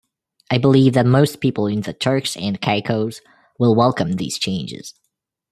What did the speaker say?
I believe that most people in the Turks and Caicos will welcome these changes.